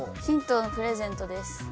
ヒントのプレゼントです。